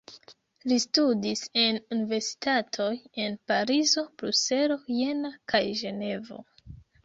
Li studis en universitatoj en Parizo, Bruselo, Jena kaj Ĝenevo.